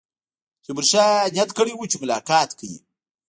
تیمورشاه نیت کړی وو چې ملاقات کوي.